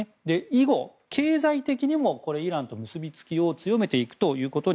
以後、経済的にもイランと結びつきを強めていきます。